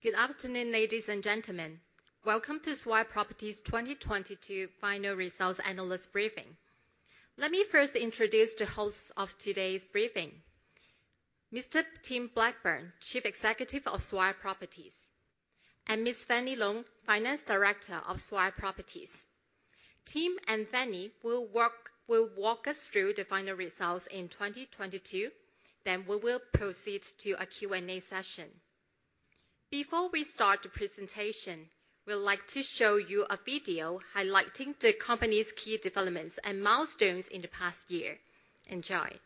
Good afternoon, ladies and gentlemen. Welcome to Swire Properties 2022 final results analyst briefing. Let me first introduce the hosts of today's briefing. Mr. Tim Blackburn, Chief Executive of Swire Properties, and Ms. Fanny Lung, Finance Director of Swire Properties. Tim and Fanny will walk us through the final results in 2022. We will proceed to a Q&A session. Before we start the presentation, we'd like to show you a video highlighting the company's key developments and milestones in the past year. Enjoy. Hope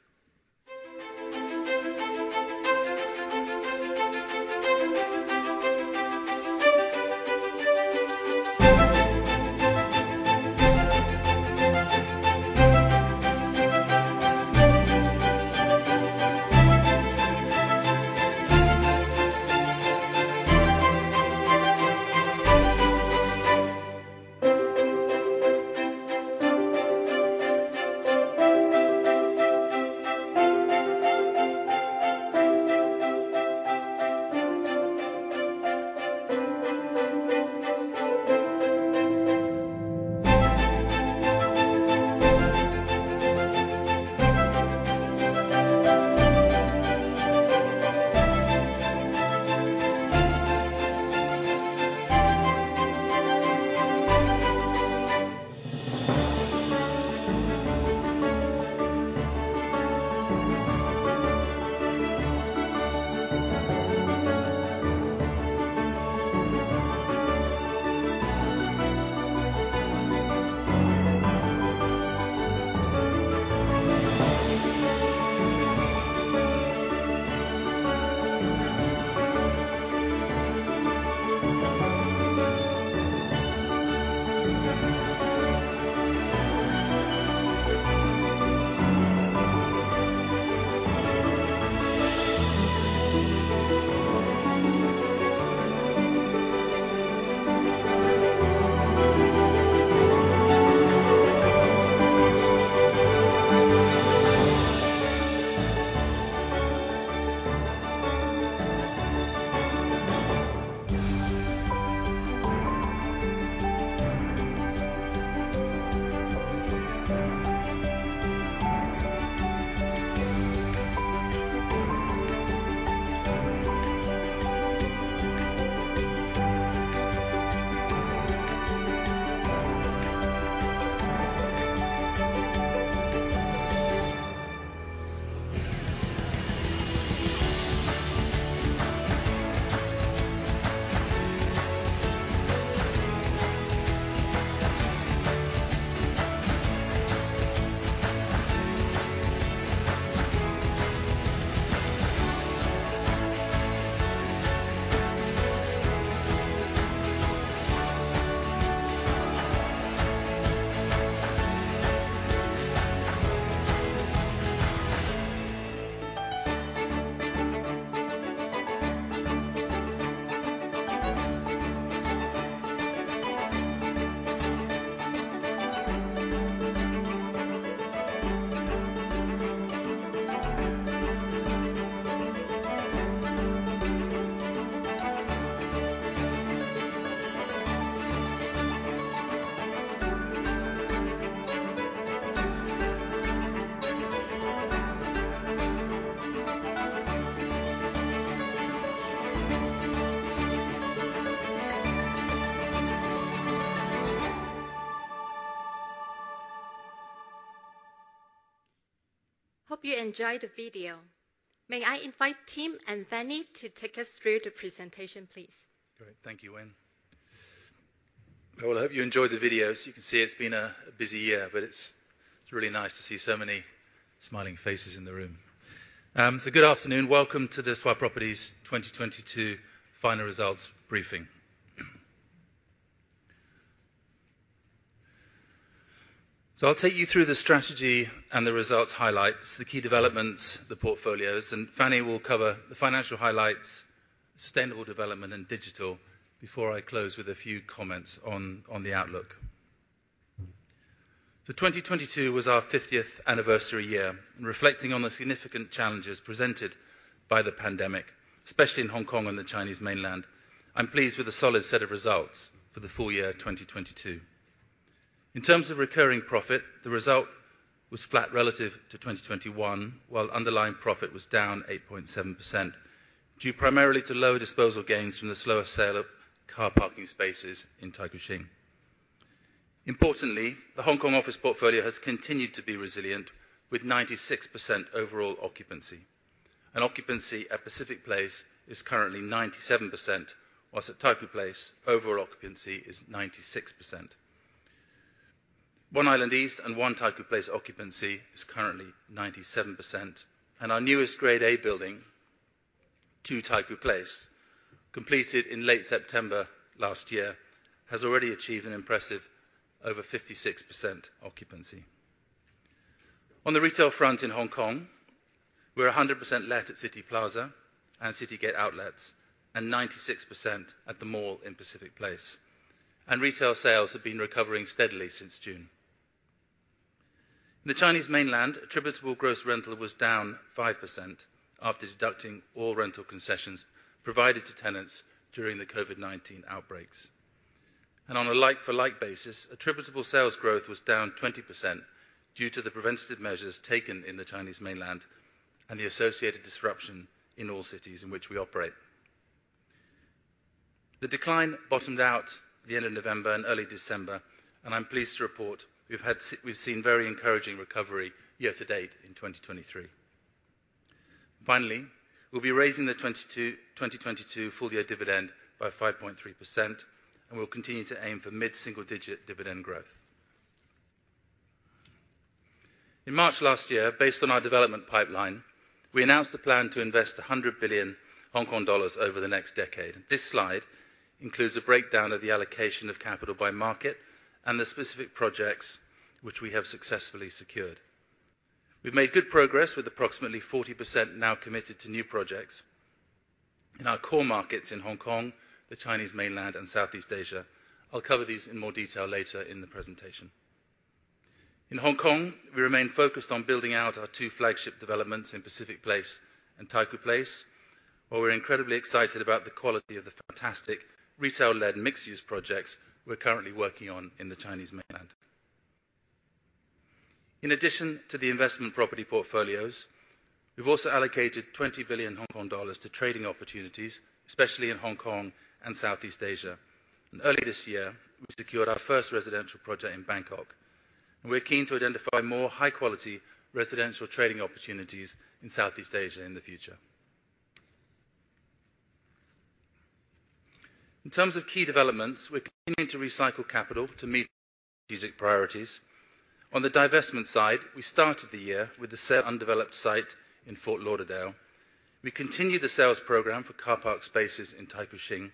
you enjoyed the video. May I invite Tim and Fanny to take us through the presentation, please. Great. Thank you, Win. Well, I hope you enjoyed the video. As you can see, it's been a busy year, but it's really nice to see so many smiling faces in the room. Good afternoon. Welcome to the Swire Properties 2022 final results briefing. I'll take you through the strategy and the results highlights, the key developments, the portfolios, and Fanny will cover the financial highlights, sustainable development, and digital before I close with a few comments on the outlook. 2022 was our 50th anniversary year, and reflecting on the significant challenges presented by the pandemic, especially in Hong Kong and the Chinese mainland, I'm pleased with the solid set of results for the full year 2022. In terms of recurring profit, the result was flat relative to 2021, while underlying profit was down 8.7%, due primarily to lower disposal gains from the slower sale of car parking spaces in Taikoo Shing. Importantly, the Hong Kong office portfolio has continued to be resilient with 96% overall occupancy, and occupancy at Pacific Place is currently 97%, whilst at Taikoo Place overall occupancy is 96%. One Island East and One Taikoo Place occupancy is currently 97%, and our newest Grade A building, Two Taikoo Place, completed in late September last year, has already achieved an impressive over 56% occupancy. On the retail front in Hong Kong, we're 100% let at Cityplaza and Citygate Outlets and 96% at the Mall in Pacific Place, retail sales have been recovering steadily since June. In the Chinese Mainland, attributable gross rental was down 5% after deducting all rental concessions provided to tenants during the COVID-19 outbreaks. On a like-for-like basis, attributable sales growth was down 20% due to the preventative measures taken in the Chinese Mainland and the associated disruption in all cities in which we operate. The decline bottomed out at the end of November and early December, I'm pleased to report we've seen very encouraging recovery year to date in 2023. Finally, we'll be raising the 2022 full-year dividend by 5.3%, and we'll continue to aim for mid-single digit dividend growth. In March last year, based on our development pipeline, we announced a plan to invest 100 billion Hong Kong dollars over the next decade. This slide includes a breakdown of the allocation of capital by market and the specific projects which we have successfully secured. We've made good progress with approximately 40% now committed to new projects in our core markets in Hong Kong, the Chinese Mainland, and Southeast Asia. I'll cover these in more detail later in the presentation. In Hong Kong, we remain focused on building out our two flagship developments in Pacific Place and Taikoo Place, while we're incredibly excited about the quality of the fantastic retail-led mixed-use projects we're currently working on in the Chinese Mainland. In addition to the investment property portfolios, we've also allocated 20 billion Hong Kong dollars to trading opportunities, especially in Hong Kong and Southeast Asia. Early this year, we secured our first residential project in Bangkok, and we're keen to identify more high-quality residential trading opportunities in Southeast Asia in the future. In terms of key developments, we're continuing to recycle capital to meet strategic priorities. On the divestment side, we started the year with the sale of undeveloped site in Fort Lauderdale. We continued the sales program for car park spaces in Taikoo Shing,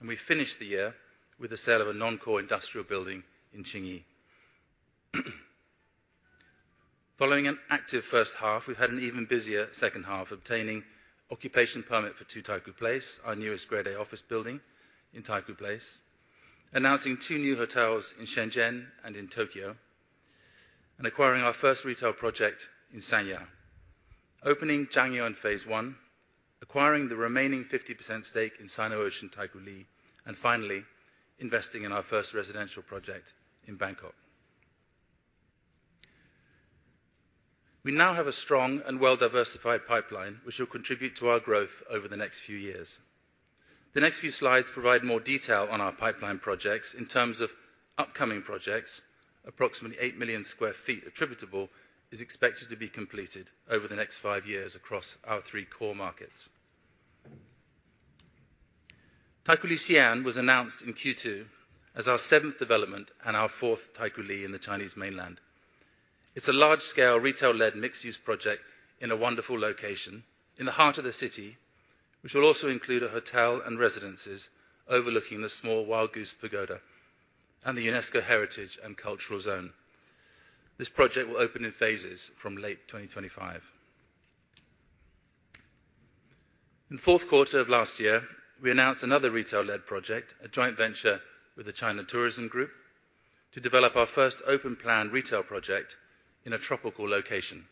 and we finished the year with the sale of a non-core industrial building in Tsing Yi. Following an active first half, we've had an even busier second half obtaining occupation permit for Two Taikoo Place, our newest Grade A office building in Taikoo Place. Announcing 2 new hotels in Shenzhen and in Tokyo, and acquiring our first retail project in Sanya. Opening Zhangyuan phase one, acquiring the remaining 50% stake in Sino-Ocean Taikoo Li, and finally investing in our first residential project in Bangkok. We now have a strong and well-diversified pipeline which will contribute to our growth over the next few years. The next few slides provide more detail on our pipeline projects in terms of upcoming projects. Approximately 8 million sq ft attributable is expected to be completed over the next five years across our three core markets. Taikoo Li Xi'an was announced in Q2 as our seventh development and our fourth Taikoo Li in the Chinese Mainland. It's a large-scale retail-led mixed-use project in a wonderful location in the heart of the city, which will also include a hotel and residences overlooking the Small Wild Goose Pagoda and the UNESCO Heritage and Cultural Zone. This project will open in phases from late 2025. In fourth quarter of last year, we announced another retail-led project, a joint venture with the China Tourism Group, to develop our first open-plan retail project in a tropical location.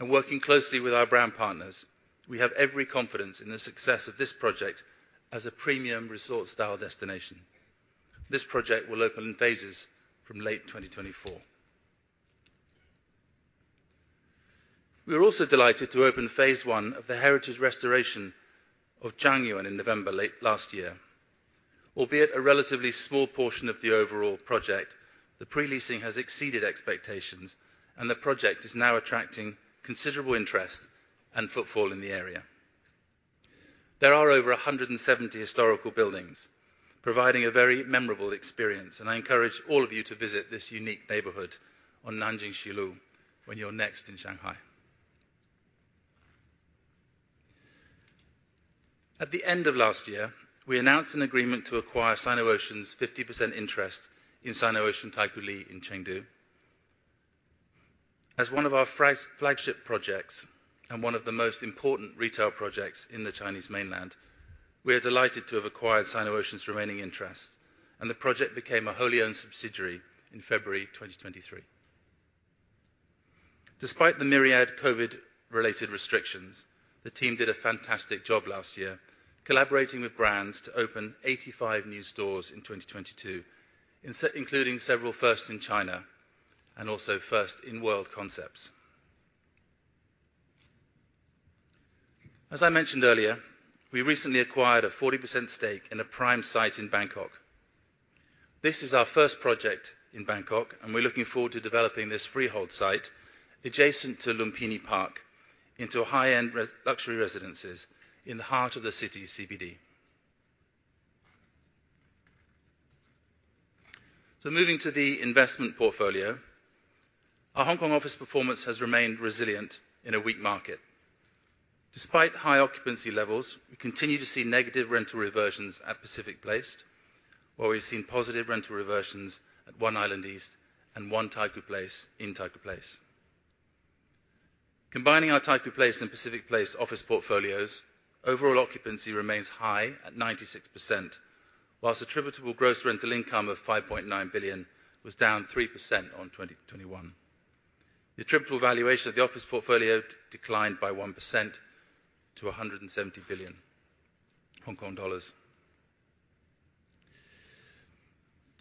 Working closely with our brand partners, we have every confidence in the success of this project as a premium resort-style destination. This project will open in phases from late 2024. We were also delighted to open phase one of the heritage restoration of Zhangyuan in November late last year. Albeit a relatively small portion of the overall project, the pre-leasing has exceeded expectations, the project is now attracting considerable interest and footfall in the area. There are over 170 historical buildings providing a very memorable experience, and I encourage all of you to visit this unique neighborhood on Nanjing East Road when you're next in Shanghai. At the end of last year, we announced an agreement to acquire Sino-Ocean's 50% interest in Sino-Ocean Taikoo Li in Chengdu. As one of our flagship projects and one of the most important retail projects in the Chinese Mainland, we are delighted to have acquired Sino-Ocean's remaining interest, and the project became a wholly owned subsidiary in February 2023. Despite the myriad COVID-related restrictions, the team did a fantastic job last year, collaborating with brands to open 85 new stores in 2022, including several firsts in China and also first-in-world concepts. As I mentioned earlier, we recently acquired a 40% stake in a prime site in Bangkok. This is our first project in Bangkok. We're looking forward to developing this freehold site adjacent to Lumpini Park into high-end luxury residences in the heart of the city CBD. Moving to the investment portfolio. Our Hong Kong office performance has remained resilient in a weak market. Despite high occupancy levels, we continue to see negative rental reversions at Pacific Place, while we've seen positive rental reversions at One Island East and One Taikoo Place in Taikoo Place. Combining our Taikoo Place and Pacific Place office portfolios, overall occupancy remains high at 96%, whilst attributable gross rental income of 5.9 billion was down 3% on 2021. The attributable valuation of the office portfolio declined by 1% to 170 billion Hong Kong dollars.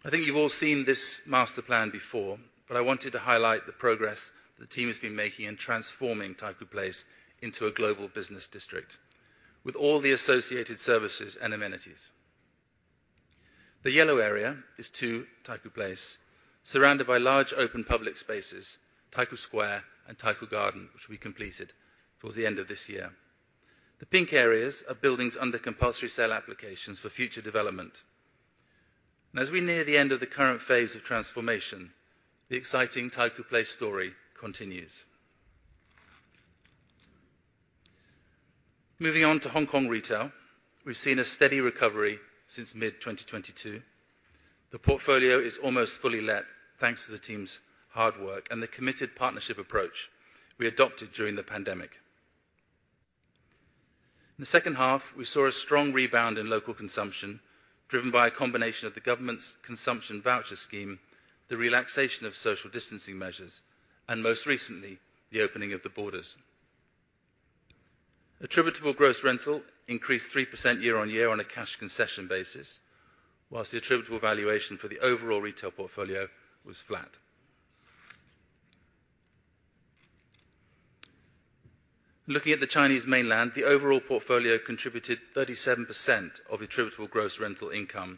I think you've all seen this master plan before, but I wanted to highlight the progress the team has been making in transforming Taikoo Place into a global business district with all the associated services and amenities. The yellow area is Two Taikoo Place, surrounded by large open public spaces, Taikoo Square and Taikoo Garden, which we completed towards the end of this year. The pink areas are buildings under compulsory sale applications for future development. As we near the end of the current phase of transformation, the exciting Taikoo Place story continues. Moving on to Hong Kong retail, we've seen a steady recovery since mid 2022. The portfolio is almost fully let thanks to the team's hard work and the committed partnership approach we adopted during the pandemic. In the second half, we saw a strong rebound in local consumption, driven by a combination of the government's consumption voucher scheme, the relaxation of social distancing measures, and most recently, the opening of the borders. Attributable gross rental increased 3% year-on-year on a cash concession basis, whilst the attributable valuation for the overall retail portfolio was flat. Looking at the Chinese mainland, the overall portfolio contributed 37% of attributable gross rental income,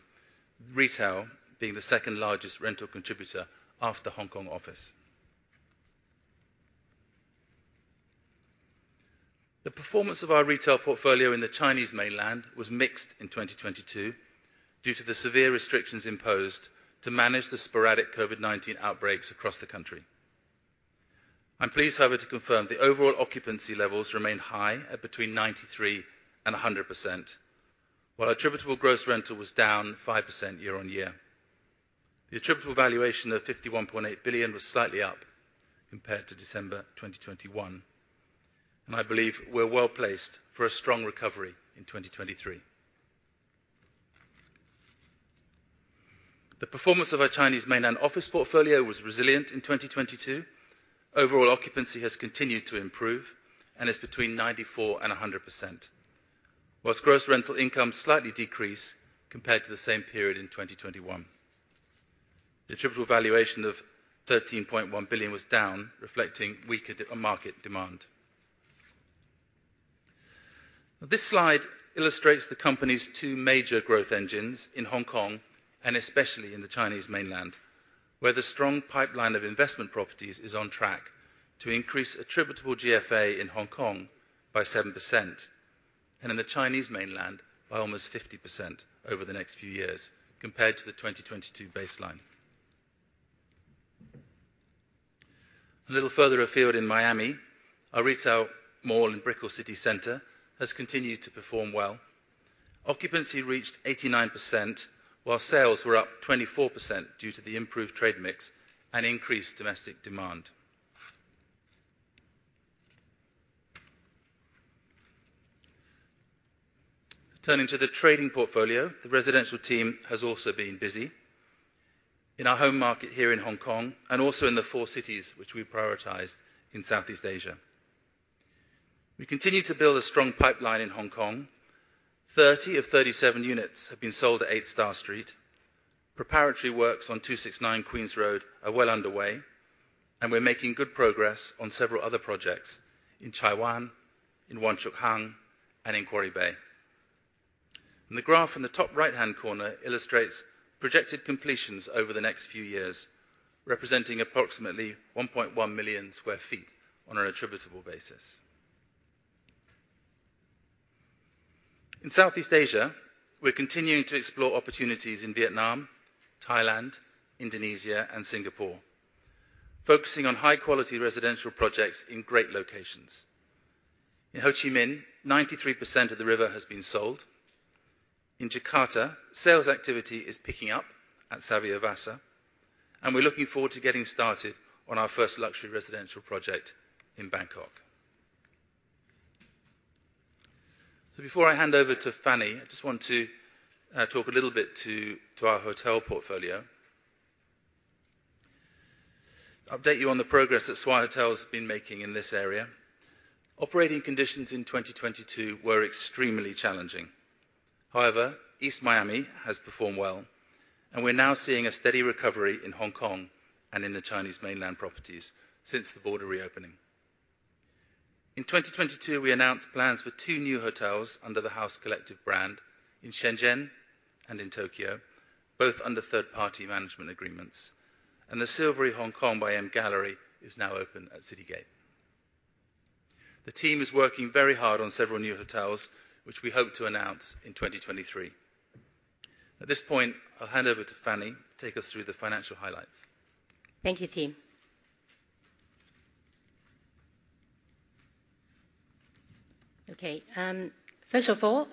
retail being the second largest rental contributor after Hong Kong office. The performance of our retail portfolio in the Chinese mainland was mixed in 2022 due to the severe restrictions imposed to manage the sporadic COVID-19 outbreaks across the country. I'm pleased, however, to confirm the overall occupancy levels remain high at between 93% and 100%, while attributable gross rental was down 5% year-on-year. The attributable valuation of 51.8 billion was slightly up compared to December 2021. I believe we're well-placed for a strong recovery in 2023. The performance of our Chinese mainland office portfolio was resilient in 2022. Overall occupancy has continued to improve and is between 94% and 100%, whilst gross rental income slightly decreased compared to the same period in 2021. The attributable valuation of 13.1 billion was down, reflecting weaker market demand. This slide illustrates the company's two major growth engines in Hong Kong and especially in the Chinese mainland, where the strong pipeline of investment properties is on track to increase attributable GFA in Hong Kong by 7% and in the Chinese mainland by almost 50% over the next few years compared to the 2022 baseline. A little further afield in Miami, our retail mall in Brickell City Centre has continued to perform well. Occupancy reached 89%, while sales were up 24% due to the improved trade mix and increased domestic demand. Turning to the trading portfolio, the residential team has also been busy in our home market here in Hong Kong and also in the four cities which we prioritize in Southeast Asia. We continue to build a strong pipeline in Hong Kong. 30 of 37 units have been sold at Eight Star Street. Preparatory works on 269 Queen's Road East are well underway. We're making good progress on several other projects in Chai Wan, in Wong Chuk Hang, and in Quarry Bay. The graph in the top right-hand corner illustrates projected completions over the next few years, representing approximately 1.1 million sq ft on an attributable basis. In Southeast Asia, we're continuing to explore opportunities in Vietnam, Thailand, Indonesia, and Singapore, focusing on high-quality residential projects in great locations. In Ho Chi Minh, 93% of The River has been sold. In Jakarta, sales activity is picking up at Savyavasa, and we're looking forward to getting started on our first luxury residential project in Bangkok. Before I hand over to Fanny, I just want to talk a little bit to our hotel portfolio. Update you on the progress that Swire Hotels has been making in this area. Operating conditions in 2022 were extremely challenging. However, East Miami has performed well, and we're now seeing a steady recovery in Hong Kong and in the Chinese mainland properties since the border reopening. In 2022, we announced plans for two new hotels under The House Collective brand in Shenzhen and in Tokyo, both under third-party management agreements. The Silveri Hong Kong-MGallery is now open at Citygate. The team is working very hard on several new hotels, which we hope to announce in 2023. At this point, I'll hand over to Fanny to take us through the financial highlights. Thank you, Tim. First of all,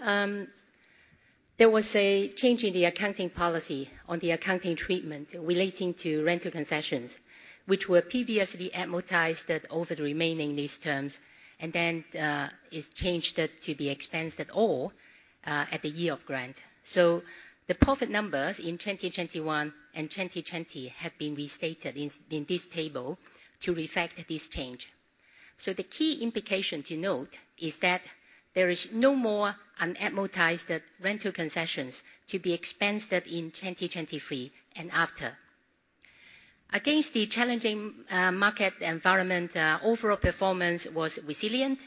there was a change in the accounting policy on the accounting treatment relating to rental concessions, which were previously amortized over the remaining lease terms, it's changed it to be expensed at all at the year of grant. The profit numbers in 2021 and 2020 have been restated in this table to reflect this change. The key implication to note is that there is no more unamortized rental concessions to be expensed in 2023 and after. Against the challenging market environment, overall performance was resilient.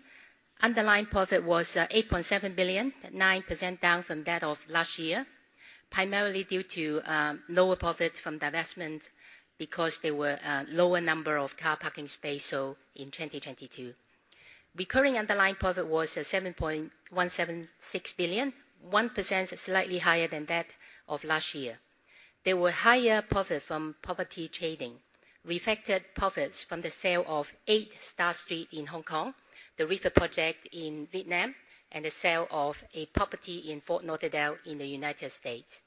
Underlying profit was 8.7 billion, at 9% down from that of last year, primarily due to lower profits from divestment because there were lower number of car parking space in 2022. Recurring underlying profit was 7.176 billion, 1% slightly higher than that of last year. There were higher profit from property trading, reflected profits from the sale of Eight Star Street in Hong Kong, The River project in Vietnam, and the sale of a property in Fort Lauderdale in the United States.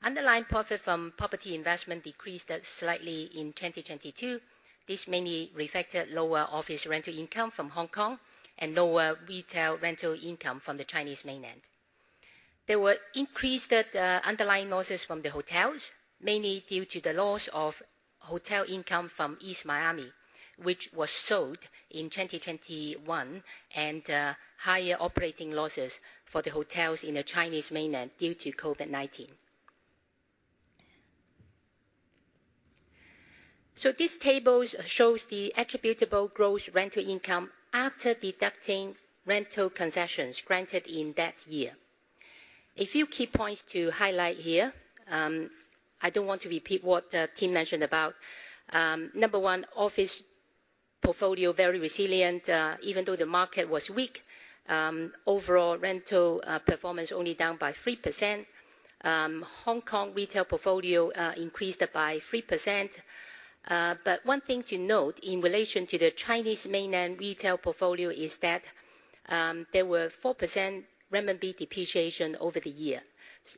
Underlying profit from property investment decreased slightly in 2022. This mainly reflected lower office rental income from Hong Kong and lower retail rental income from the Chinese mainland. There were increased underlying losses from the hotels, mainly due to the loss of hotel income from East Miami, which was sold in 2021, and higher operating losses for the hotels in the Chinese mainland due to COVID-19. This table shows the attributable gross rental income after deducting rental concessions granted in that year. A few key points to highlight here. I don't want to repeat what Tim mentioned about. Number one, office portfolio, very resilient. Even though the market was weak, overall rental performance only down by 3%. Hong Kong retail portfolio increased by 3%. One thing to note in relation to the Chinese mainland retail portfolio is that there were 4% renminbi depreciation over the year,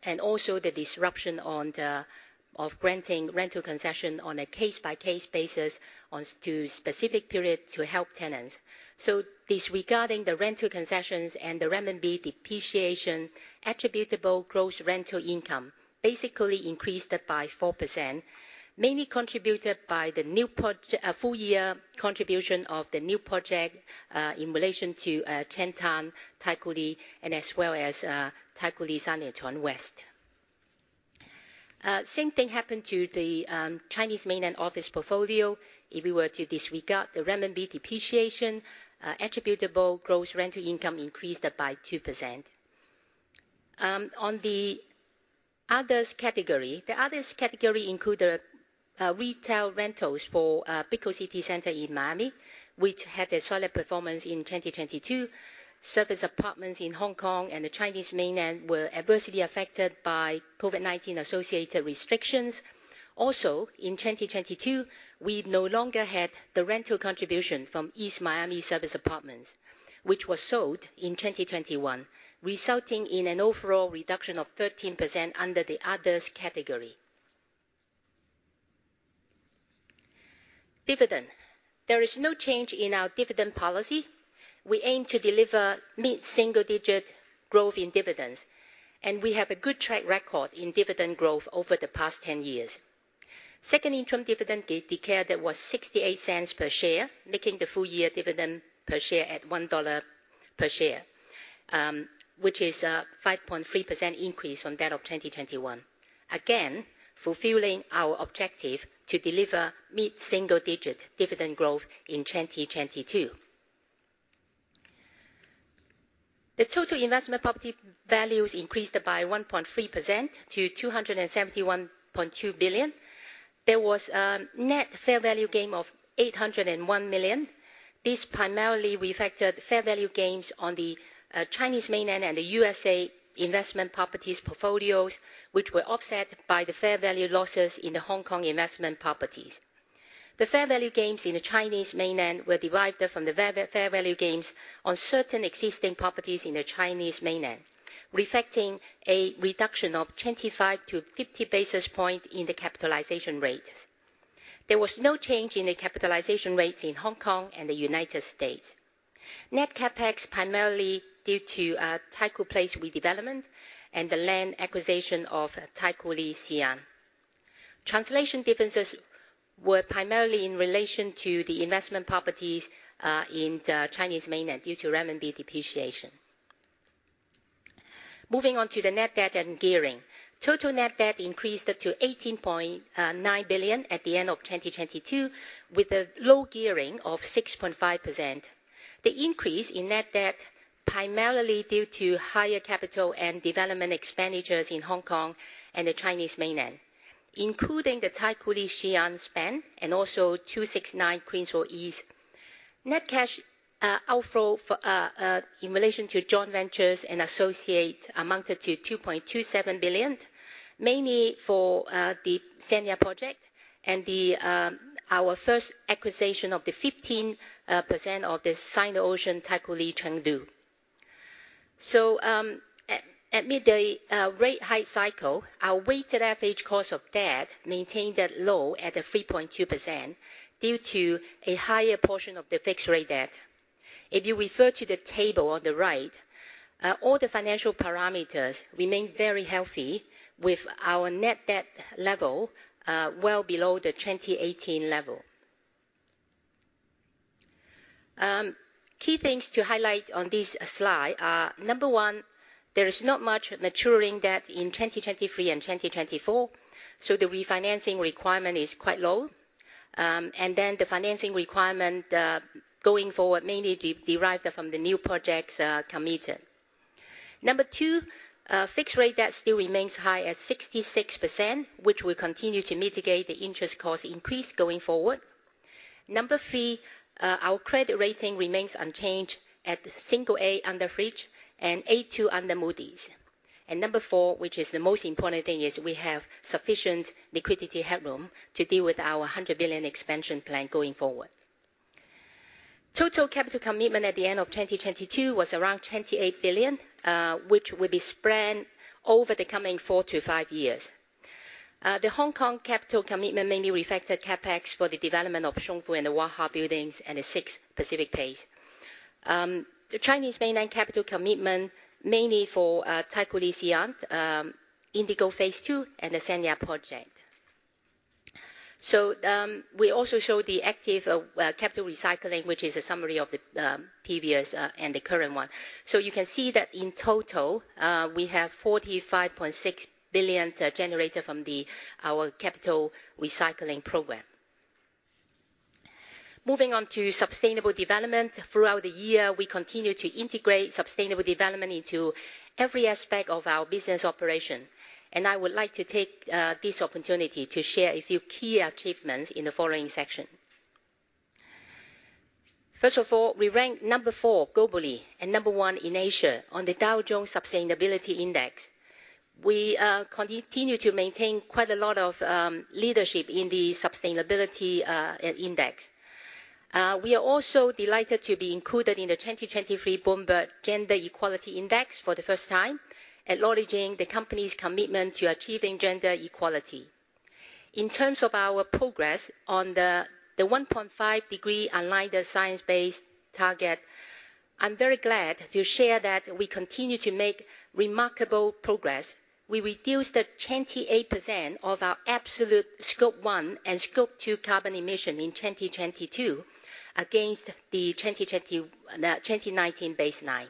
and also the disruption of granting rental concession on a case-by-case basis on to specific periods to help tenants. Disregarding the rental concessions and the renminbi depreciation, attributable gross rental income basically increased by 4%, mainly contributed by the new full-year contribution of the new project in relation to Qiantan Taikoo Li and as well as Taikoo Li Sanlitun West. Same thing happened to the Chinese mainland office portfolio. If we were to disregard the renminbi depreciation, attributable gross rental income increased by 2%. On the others category, the others category include retail rentals for Brickell City Centre in Miami, which had a solid performance in 2022. Service apartments in Hong Kong and the Chinese mainland were adversely affected by COVID-19 associated restrictions. In 2022, we no longer had the rental contribution from East Miami service apartments, which was sold in 2021, resulting in an overall reduction of 13% under the others category. Dividend. There is no change in our dividend policy. We aim to deliver mid-single digit growth in dividends, and we have a good track record in dividend growth over the past 10 years. Second interim dividend declared was 0.68 per share, making the full-year dividend per share at HKD 1.00 per share, which is a 5.3% increase from that of 2021. Again, fulfilling our objective to deliver mid-single digit dividend growth in 2022. The total investment property values increased by 1.3% to 271.2 billion. There was a net fair value gain of 801 million. This primarily reflected fair value gains on the Chinese mainland and the USA investment properties portfolios, which were offset by the fair value losses in the Hong Kong investment properties. The fair value gains in the Chinese mainland were derived from the fair value gains on certain existing properties in the Chinese mainland, reflecting a reduction of 25 to 50 basis point in the capitalization rate. There was no change in the capitalization rates in Hong Kong and the United States. Net CapEx primarily due to Taikoo Place redevelopment and the land acquisition of Taikoo Li Xi'an. Translation differences were primarily in relation to the investment properties in the Chinese mainland due to renminbi depreciation. Moving on to the net debt and gearing. Total net debt increased to 18.9 billion at the end of 2022, with a low gearing of 6.5%. The increase in net debt primarily due to higher capital and development expenditures in Hong Kong and the Chinese mainland, including the Taikoo Li Xi'an spend and also 269 Queen's Road East. Net cash outflow in relation to joint ventures and associate amounted to 2.27 billion. Mainly for the Sanya project and our first acquisition of the 15% of the Sino-Ocean Taikoo Li Chengdu. Amid the rate hike cycle, our weighted average cost of debt maintained at low at a 3.2% due to a higher portion of the fixed rate debt. If you refer to the table on the right, all the financial parameters remain very healthy with our net debt level well below the 2018 level. Key things to highlight on this slide are number one, there is not much maturing debt in 2023 and 2024, the refinancing requirement is quite low. The financing requirement going forward mainly derived from the new projects committed. Number two, fixed rate debt still remains high at 66%, which we continue to mitigate the interest cost increase going forward. Number three, our credit rating remains unchanged at single A under Fitch and A2 under Moody's. Number four, which is the most important thing, is we have sufficient liquidity headroom to deal with our 100 billion expansion plan going forward. Total capital commitment at the end of 2022 was around 28 billion, which will be spread over the coming four to five years. The Hong Kong capital commitment mainly reflected CapEx for the development of Shun Fook and the Wah Ha buildings and the Six Pacific Place. The Chinese mainland capital commitment mainly for Taikoo Li Xi'an, Indigo Phase Two, and the Sanya project. We also show the active capital recycling, which is a summary of the previous and the current one. You can see that in total, we have 45.6 billion generated from our capital recycling program. Moving on to sustainable development. Throughout the year, we continued to integrate sustainable development into every aspect of our business operation. I would like to take this opportunity to share a few key achievements in the following section. First of all, we ranked number four globally and number one in Asia on the Dow Jones Sustainability Index. We continue to maintain quite a lot of leadership in the sustainability index. We are also delighted to be included in the 2023 Bloomberg Gender Equality Index for the first time, acknowledging the company's commitment to achieving gender equality. In terms of our progress on the 1.5 degree aligned science-based target, I'm very glad to share that we continue to make remarkable progress. We reduced 28% of our absolute Scope 1 and Scope 2 carbon emission in 2022 against the 2020, 2019 baseline.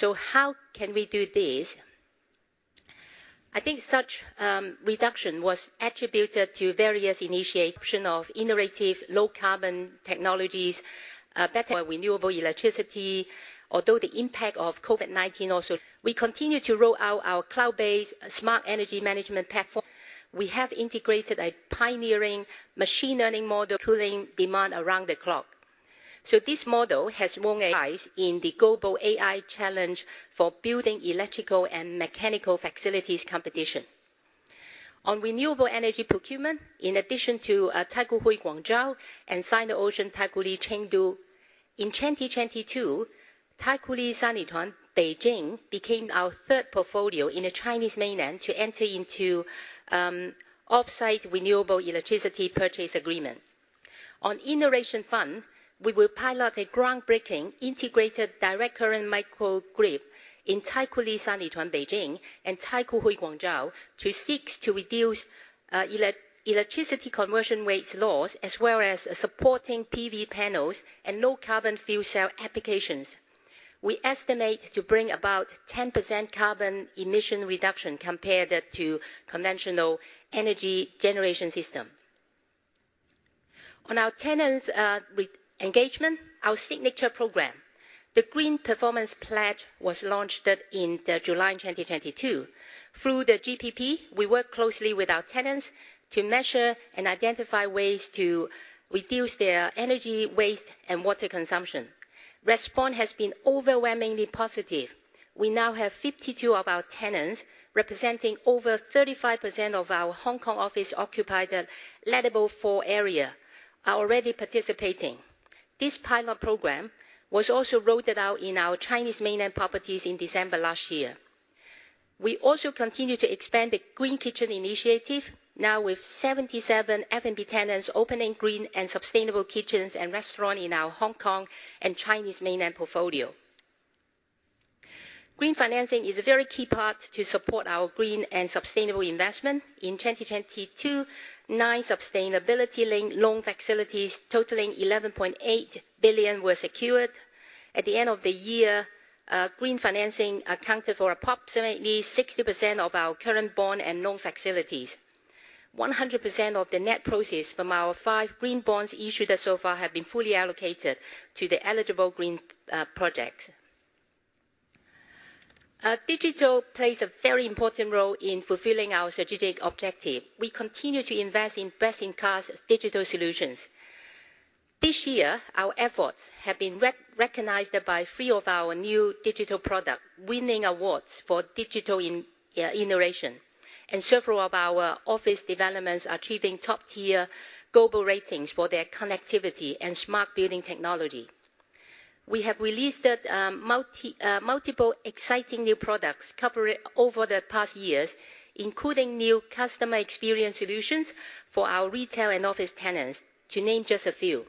How can we do this? I think such reduction was attributed to various initiation of innovative low carbon technologies, better renewable electricity, although the impact of COVID-19 also. We continue to roll out our cloud-based smart energy management platform. We have integrated a pioneering machine learning model cooling demand around the clock. This model has won a prize in the global AI challenge for building electrical and mechanical facilities competition. On renewable energy procurement, in addition to Taikoo Hui Guangzhou and Sino-Ocean Taikoo Li Chengdu, in 2022, Taikoo Li Sanlitun Beijing became our third portfolio in the Chinese mainland to enter into offsite renewable electricity purchase agreement. On innovation fund, we will pilot a groundbreaking integrated direct current microgrid in Taikoo Li Sanlitun Beijing and Taikoo Hui Guangzhou to seek to reduce electricity conversion rates loss, as well as supporting PV panels and low carbon fuel cell applications. We estimate to bring about 10% carbon emission reduction compared to conventional energy generation system. On our tenants, engagement, our signature program, the Green Performance Pledge, was launched in the July 2022. Through the GPP, we work closely with our tenants to measure and identify ways to reduce their energy waste and water consumption. Response has been overwhelmingly positive. We now have 52 of our tenants representing over 35% of our Hong Kong office occupied lettable floor area are already participating. This pilot program was also rolled out in our Chinese mainland properties in December last year. We also continue to expand the Green Kitchen Initiative, now with 77 F&B tenants opening green and sustainable kitchens and restaurant in our Hong Kong and Chinese mainland portfolio. Green financing is a very key part to support our green and sustainable investment. In 2022, nine sustainability-linked loan facilities totaling 11.8 billion were secured. At the end of the year, green financing accounted for approximately 60% of our current bond and loan facilities. 100% of the net proceeds from our five green bonds issued so far have been fully allocated to the eligible green projects. Digital plays a very important role in fulfilling our strategic objective. We continue to invest in best-in-class digital solutions. This year, our efforts have been recognized by three of our new digital product winning awards for digital in innovation. Several of our office developments achieving top tier global ratings for their connectivity and smart building technology. We have released multiple exciting new products covering over the past years, including new customer experience solutions for our retail and office tenants, to name just a few.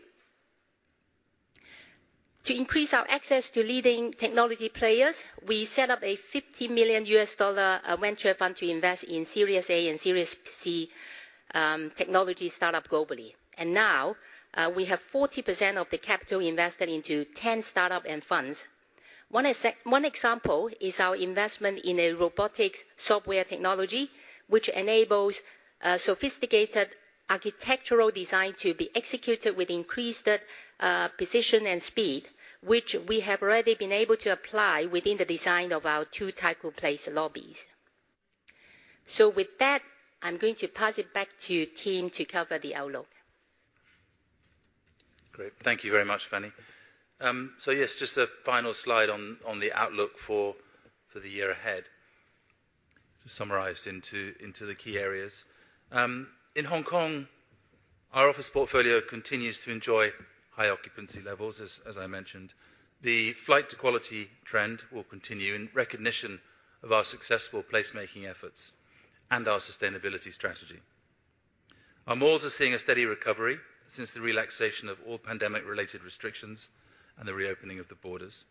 To increase our access to leading technology players, we set up a $50 million venture fund to invest in Series A and Series C technology startup globally. Now, we have 40% of the capital invested into 10 startup and funds. One example is our investment in a robotics software technology, which enables sophisticated architectural design to be executed with increased precision and speed, which we have already been able to apply within the design of our two Taikoo Place lobbies. With that, I'm going to pass it back to Tim to cover the outlook. Great. Thank you very much, Fanny. Yes, just a final slide on the outlook for the year ahead to summarize into the key areas. In Hong Kong, our office portfolio continues to enjoy high occupancy levels, as I mentioned. The flight to quality trend will continue in recognition of our successful placemaking efforts and our sustainability strategy. Our malls are seeing a steady recovery since the relaxation of all pandemic-related restrictions and the reopening of the borders.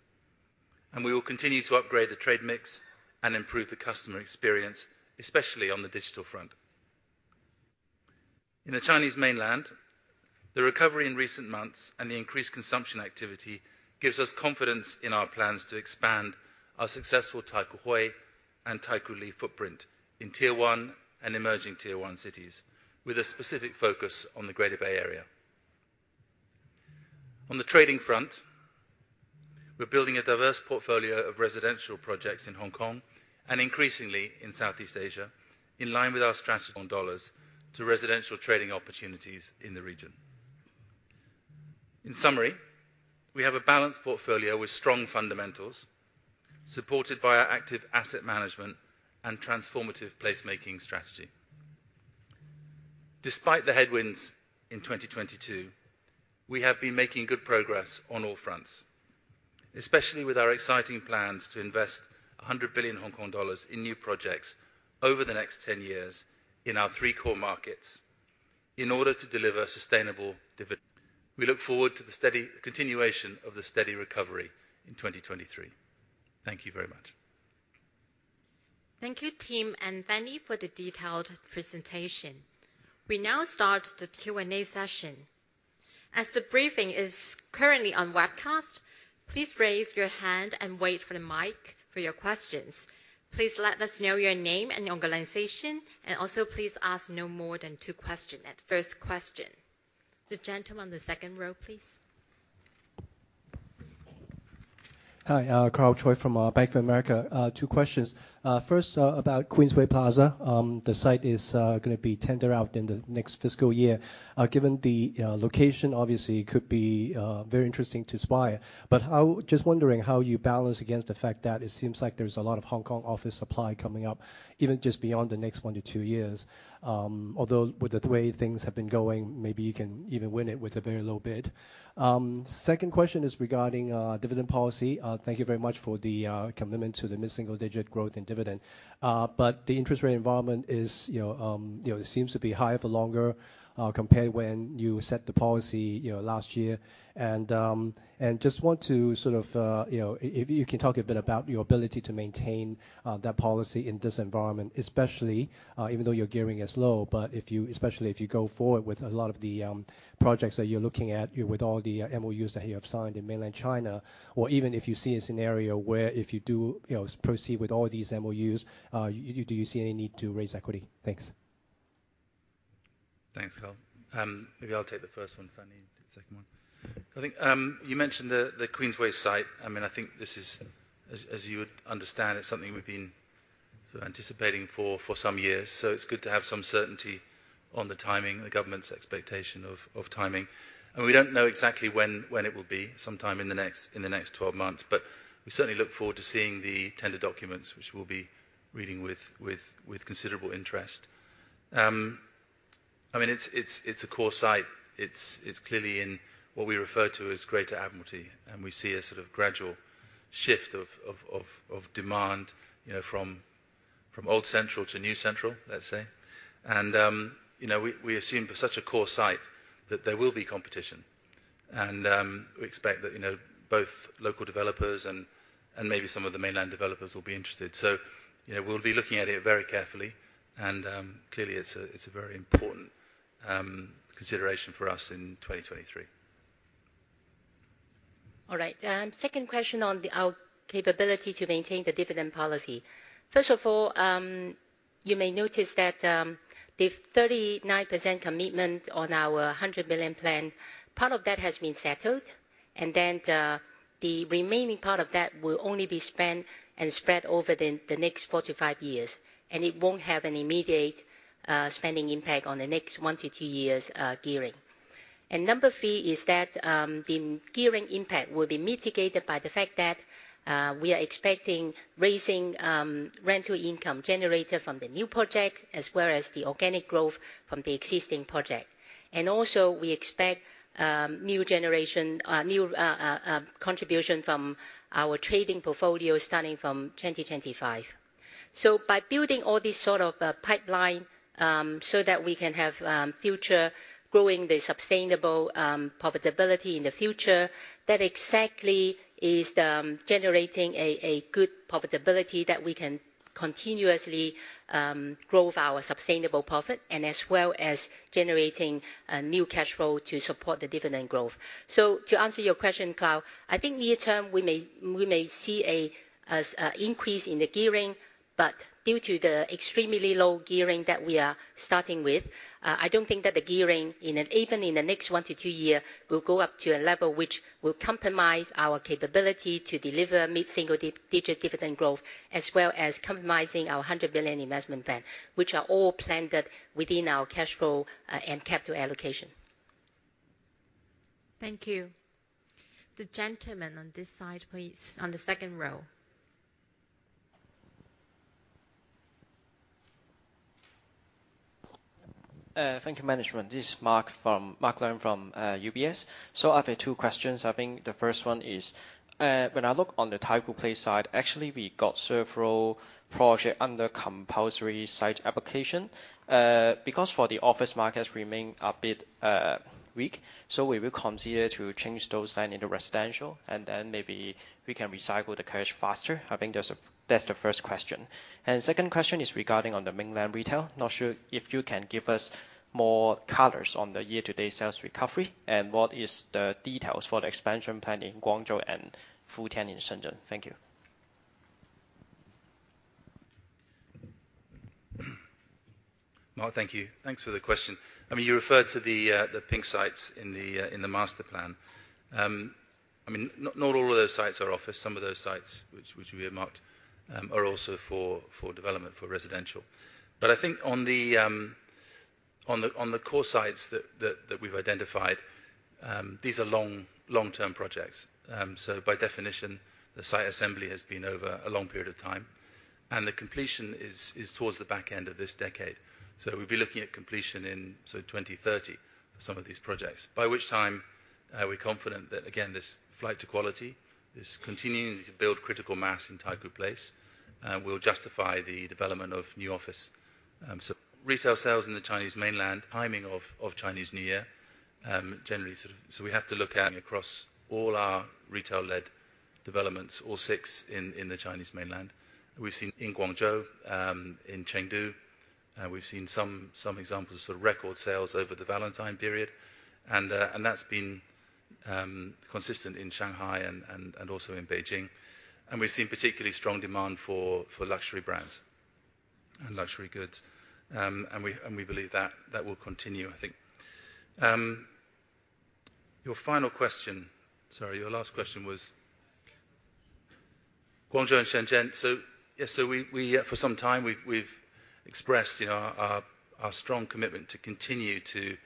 We will continue to upgrade the trade mix and improve the customer experience, especially on the digital front. In the Chinese mainland, the recovery in recent months and the increased consumption activity gives us confidence in our plans to expand our successful Taikoo Hui and Taikoo Li footprint in tier one and emerging tier one cities, with a specific focus on the Greater Bay Area. On the trading front, we're building a diverse portfolio of residential projects in Hong Kong and increasingly in Southeast Asia, in line with our strategy on dollars to residential trading opportunities in the region. In summary, we have a balanced portfolio with strong fundamentals, supported by our active asset management and transformative placemaking strategy. Despite the headwinds in 2022, we have been making good progress on all fronts, especially with our exciting plans to invest 100 billion Hong Kong dollars in new projects over the next 10 years in our three core markets in order to deliver sustainable dividend. We look forward to the continuation of the steady recovery in 2023. Thank you very much. Thank you, Tim and Fanny, for the detailed presentation. We now start the Q&A session. As the briefing is currently on webcast, please raise your hand and wait for the mic for your questions. Please let us know your name and organization, please ask no more than two questions. At first question, the gentleman on the second row, please. Hi, Karl Choi from Bank of America. Two questions. First, about Queensway Plaza. The site is going to be tender out in the next fiscal year. Given the location obviously could be very interesting to Swire. Just wondering how you balance against the fact that it seems like there's a lot of Hong Kong office supply coming up, even just beyond the next one to two years. Although with the way things have been going, maybe you can even win it with a very low bid. Second question is regarding dividend policy. Thank you very much for the commitment to the mid-single digit growth in dividend. The interest rate environment is, you know, you know, seems to be high for longer, compared when you set the policy, you know, last year. Just want to sort of, you know, if you can talk a bit about your ability to maintain, that policy in this environment, especially, even though your gearing is low, but especially if you go forward with a lot of the projects that you're looking at. With all the MOUs that you have signed in mainland China, or even if you see a scenario where if you do, you know, proceed with all these MOUs, do you see any need to raise equity? Thanks. Thanks, Karl. Maybe I'll take the first one, Fanny you take the second one. I think you mentioned the Queensway site. I mean, I think this is as you would understand, it's something we've been sort of anticipating for some years. It's good to have some certainty on the timing, the government's expectation of timing. We don't know exactly when it will be, sometime in the next 12 months. We certainly look forward to seeing the tender documents, which we'll be reading with considerable interest. I mean, it's a core site. It's clearly in what we refer to as Greater Admiralty, and we see a sort of gradual shift of demand, you know, from old Central to new Central, let's say. You know, we assume for such a core site that there will be competition. We expect that, you know, both local developers and maybe some of the mainland developers will be interested. You know, we'll be looking at it very carefully, and clearly it's a very important consideration for us in 2023. All right. Second question on our capability to maintain the dividend policy. First of all, you may notice that the 39% commitment on our 100 million plan, part of that has been settled. The remaining part of that will only be spent and spread over the next four to five years, and it won't have an immediate spending impact on the next one to two years gearing. Number three is that the gearing impact will be mitigated by the fact that we are expecting raising rental income generated from the new projects as well as the organic growth from the existing project. Also we expect new generation contribution from our trading portfolio starting from 2025. By building all these sort of pipeline, so that we can have future growing the sustainable profitability in the future, that exactly is generating a good profitability that we can continuously grow our sustainable profit and as well as generating new cash flow to support the dividend growth. To answer your question, Kyle, I think near term we may see an increase in the gearing, but due to the extremely low gearing that we are starting with, I don't think that the gearing even in the next one to two years will go up to a level which will compromise our capability to deliver mid-single digit dividend growth, as well as compromising our 100 billion investment plan, which are all planned within our cash flow and capital allocation. Thank you. The gentleman on this side, please. On the second row. Thank you management. This is Mark Leung from UBS. I have two questions. I think the first one is, when I look on the Taikoo Place side, actually we got several project under compulsory sale application. Because for the office markets remain a bit weak, we will consider to change those then into residential, and then maybe we can recycle the cash faster. I think that's the first question. Second question is regarding on the mainland retail. Not sure if you can give us more colors on the year-to-date sales recovery and what is the details for the expansion plan in Guangzhou and Futian in Shenzhen. Thank you. Mark, thank you. Thanks for the question. I mean, you referred to the pink sites in the master plan. I mean, not all of those sites are office. Some of those sites which we have marked are also for development for residential. I think on the core sites that we've identified, these are long-term projects. By definition, the site assembly has been over a long period of time, and the completion is towards the back end of this decade. We'd be looking at completion in 2030 for some of these projects, by which time, we're confident that again this flight to quality is continuing to build critical mass in Taikoo Place, will justify the development of new office. Retail sales in the Chinese mainland timing of Chinese New Year, generally sort of. We have to look at across all our retail-led developments, all six in the Chinese mainland. We've seen in Guangzhou, in Chengdu, we've seen some examples of sort of record sales over the Valentine period, and that's been consistent in Shanghai and also in Beijing. We've seen particularly strong demand for luxury brands and luxury goods. We believe that will continue, I think. Your final question, sorry, your last question was Guangzhou and Shenzhen. Yes, for some time, we've expressed, you know, our strong commitment to continue to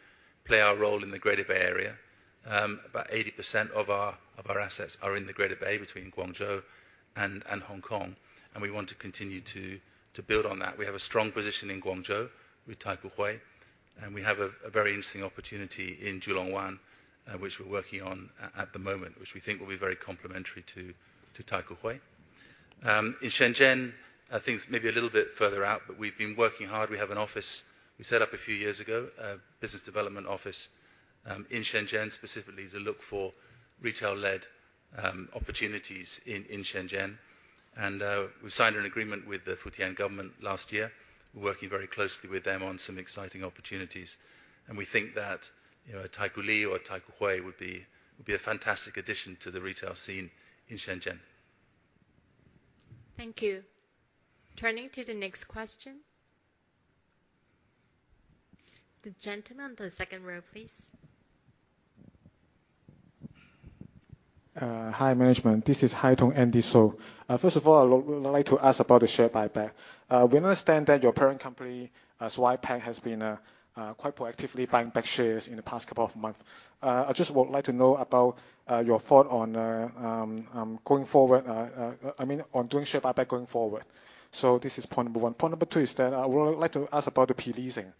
play our role in the Greater Bay Area. About 80% of our assets are in the Greater Bay between Guangzhou and Hong Kong, we want to continue to build on that. We have a strong position in Guangzhou with Taikoo Hui, we have a very interesting opportunity in Julong Wan, which we're working on at the moment, which we think will be very complementary to Taikoo Hui. In Shenzhen, things may be a little bit further out, we've been working hard. We have an office we set up a few years ago, a business development office, in Shenzhen specifically to look for retail-led opportunities in Shenzhen. We've signed an agreement with the Futian government last year. We're working very closely with them on some exciting opportunities. We think that, you know, Taikoo Li or Taikoo Hui would be a fantastic addition to the retail scene in Shenzhen. Thank you. Turning to the next question. The gentleman on the second row, please. Hi management. This is Haitong, Andy So. First of all, I would like to ask about the share buyback. We understand that your parent company, Swire Pacific, has been quite proactively buying back shares in the past couple of month. I just would like to know about your thought on going forward, I mean, on doing share buyback going forward. This is point number one. Point number two is that I would like to ask about the pre-leasing.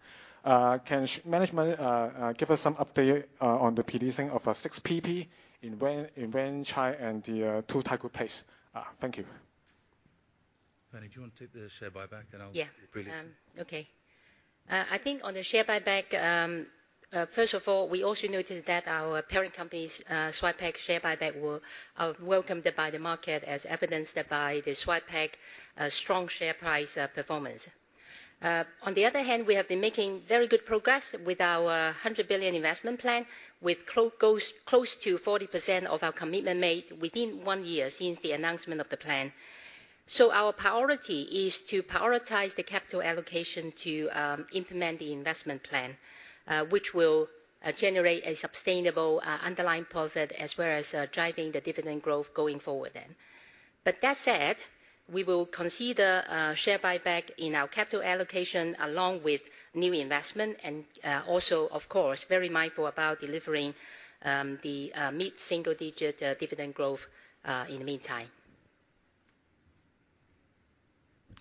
Can management give us some update on the pre-leasing of Six PP in Wan Chai and Two Taikoo Place. Thank you. Fanny, do you want to take the share buyback and I'll take pre-leasing. Yeah. I think on the share buyback, first of all, we also noted that our parent company's Swirepac share buyback were welcomed by the market as evidenced by the Swirepac strong share price performance. On the other hand, we have been making very good progress with our 100 billion investment plan, with close to 40% of our commitment made within one year since the announcement of the plan. Our priority is to prioritize the capital allocation to implement the investment plan, which will generate a sustainable underlying profit as well as driving the dividend growth going forward. That said, we will consider share buyback in our capital allocation along with new investment and also, of course, very mindful about delivering the mid-single-digit dividend growth in the meantime.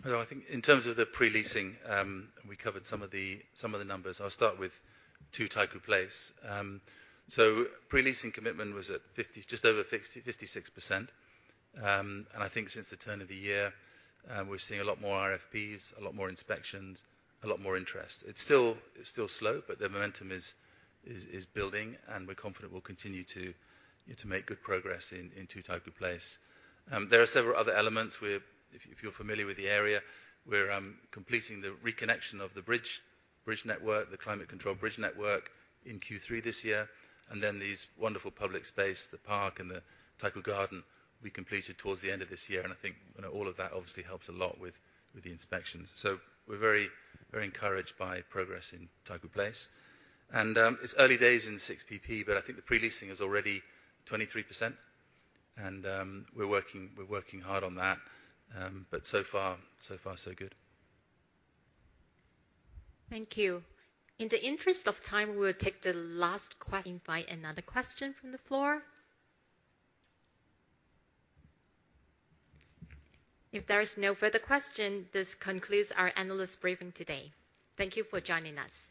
You know, I think in terms of the pre-leasing, we covered some of the numbers. I'll start with Two Taikoo Place. Pre-leasing commitment was at 50%, just over 56%. I think since the turn of the year, we're seeing a lot more RFPs, a lot more inspections, a lot more interest. It's still slow, but the momentum is building and we're confident we'll continue to, you know, to make good progress in Two Taikoo Place. There are several other elements if you're familiar with the area, we're completing the reconnection of the bridge network, the climate control bridge network in Q3 this year. These wonderful public space, the park and the Taikoo Garden, we completed towards the end of this year. I think, you know, all of that obviously helps a lot with the inspections. We're very encouraged by progress in Taikoo Place. It's early days in Six PP, but I think the pre-leasing is already 23% and we're working hard on that. So far so good. Thank you. In the interest of time, we'll take the last question by another question from the floor. If there is no further question, this concludes our analyst briefing today. Thank you for joining us.